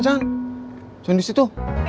jangan di situ